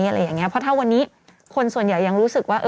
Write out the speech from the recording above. เพราะถ้าวันนี้คนส่วนใหญ่ยังรู้สึกว่า